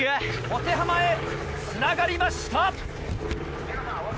保手濱へつながりました。